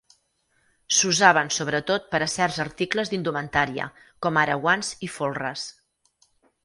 S'usaven sobretot per a certs articles d'indumentària com ara guants i folres.